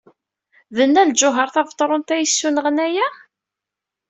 D Nna Lǧuheṛ Tabetṛunt ay d-yessunɣen aya?